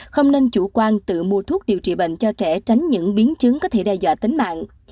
không nên chủ quan tự mua thuốc điều trị bệnh cho trẻ tránh những biến chứng có thể đe dọa tính mạng